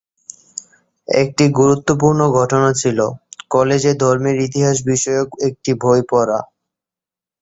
একটি গুরুত্বপূর্ণ ঘটনা ছিল কলেজে ধর্মের ইতিহাস বিষয়ক একটি বই পড়া।